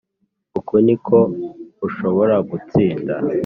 Uku ni uko ushobora gutsinda